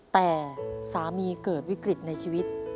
แต่สามีเกิดวิกฤตในชีวิต